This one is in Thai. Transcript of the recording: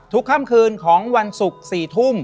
ค่ำคืนของวันศุกร์๔ทุ่ม